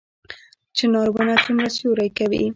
چنار ونه څومره سیوری کوي؟